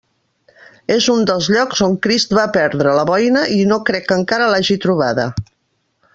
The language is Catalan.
És un dels llocs on Crist va perdre la boina, i no crec que encara l'hagi trobada.